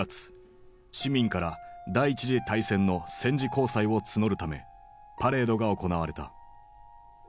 市民から第一次大戦の戦時公債を募るためパレードが行われた。